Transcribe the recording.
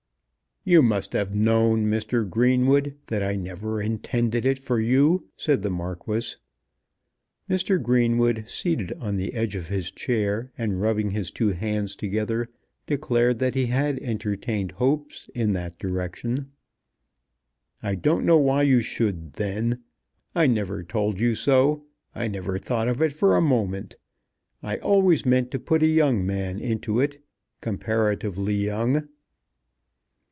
"You must have known, Mr. Greenwood, that I never intended it for you," said the Marquis. Mr. Greenwood, seated on the edge of his chair and rubbing his two hands together, declared that he had entertained hopes in that direction. "I don't know why you should, then. I never told you so. I never thought of it for a moment. I always meant to put a young man into it; comparatively young."